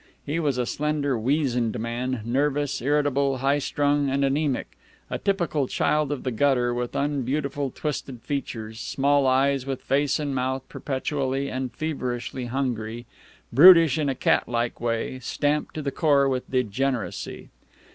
He was a slender, weazened man, nervous, irritable, high strung, and anaemic a typical child of the gutter, with unbeautiful twisted features, small eyes, with face and mouth perpetually and feverishly hungry, brutish in a catlike way, stamped to the core with degeneracy.